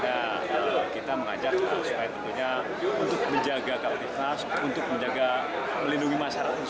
nah itu kita mengajak supaya tentunya untuk menjaga kapasitas untuk menjaga melindungi masyarakat sendiri